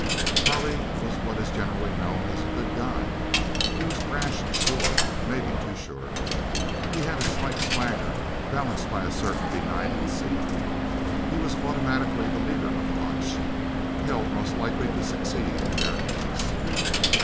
Charlie was what is generally known as a Good Guy. He was brash and sure maybe too sure. He had a slight swagger, balanced by a certain benignancy. He was automatically the leader of the Bunch, held most likely to succeed in their aims.